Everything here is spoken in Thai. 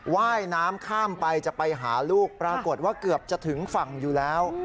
ว่ายน้ำข้ามไปจะไปหาลูกปรากฏว่าเกือบจะถึงฝั่งอยู่แล้ว